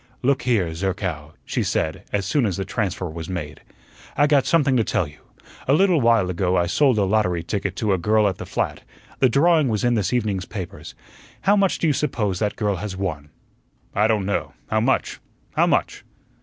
"Look here, Zerkow," she said as soon as the transfer was made, "I got something to tell you. A little while ago I sold a lottery ticket to a girl at the flat; the drawing was in this evening's papers. How much do you suppose that girl has won?" "I don't know. How much? How much?"